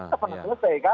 itu pernah selesai kan